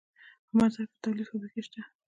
په مزار کې د تولید فابریکې شته